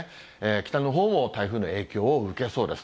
北のほうも台風の影響を受けそうです。